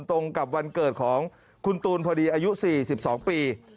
ตรงกับวันเกิดของคุณตูนพอดีอายุ๔๒ปี